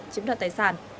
chiếm đoạt tài sản